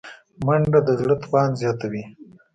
منډه د زړه توان زیاتوي